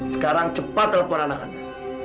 sekarang cepat telepon anak anda